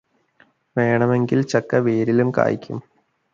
വേണെമെങ്കിൽ ചക്ക വേരിലും കായ്ക്കും